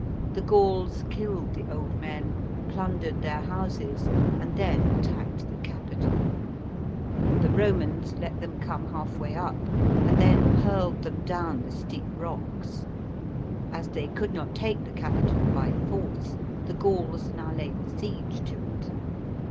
The Gauls killed the old men, plundered their houses, arid then attacked the Capitol. The Romans let them come half way up, and then hurled them down the steep rocks. As they could not take the Capitol by force, the Gauls now laid siege to it.